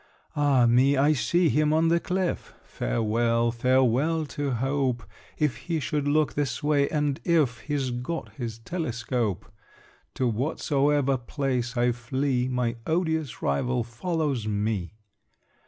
Ah me! I see him on the cliff! Farewell, farewell to hope, If he should look this way, and if He's got his telescope! To whatsoever place I flee, My odious rival follows me!